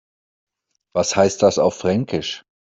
Was heißt das auf Fränkisch?